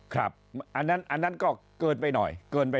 ครับอันนั้นก็เกินไปหน่อย